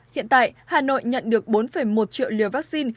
hiện tại hà nội nhận được bốn một triệu liều vaccine